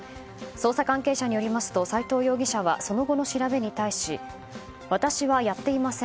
捜査関係者によりますと斎藤容疑者はその後の調べに対し私はやっていません。